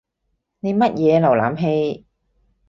你乜嘢瀏覽器？